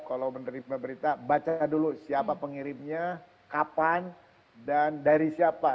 kalau menerima berita baca dulu siapa pengirimnya kapan dan dari siapa